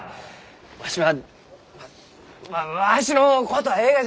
わしはまあわしのことはえいがじゃ！